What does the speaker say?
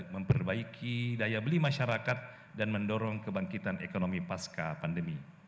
memperbaiki daya beli masyarakat dan mendorong kebangkitan ekonomi pasca pandemi